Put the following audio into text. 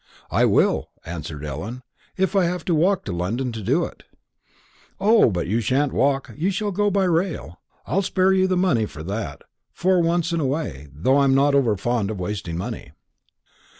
"I will," answered Ellen; "if I have to walk to London to do it." "O, but you sha'n't walk. You shall go by rail. I'll spare you the money for that, for once in a way, though I'm not over fond of wasting money."